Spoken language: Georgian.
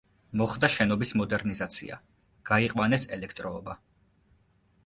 მოხდა შენობის მოდერნიზაცია, გაიყვანეს ელექტროობა.